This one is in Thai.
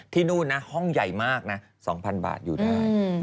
นู่นนะห้องใหญ่มากนะ๒๐๐บาทอยู่ได้